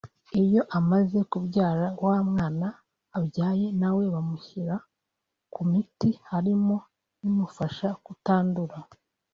iyo amaze kubyara wa mwana abyaye nawe bamushyira ku miti harimo n’imufasha kutandura